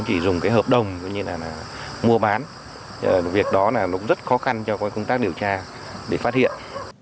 cũng như là mua bán việc đó là rất khó khăn cho các công tác điều tra để phát hiện